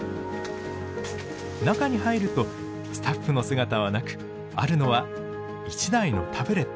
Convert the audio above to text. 中に入るとスタッフの姿はなくあるのは１台のタブレット。